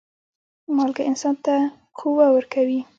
مالګه انسان ته قوه ورکوي.